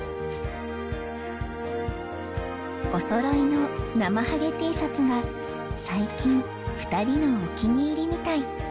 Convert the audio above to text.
おそろいのなまはげＴシャツが最近２人のお気に入りみたい。